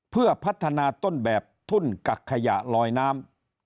เพื่อพัฒนาต้นแบบทุ่นกักขยะลอยน้ำ